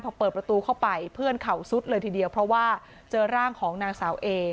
พอเปิดประตูเข้าไปเพื่อนเข่าซุดเลยทีเดียวเพราะว่าเจอร่างของนางสาวเอ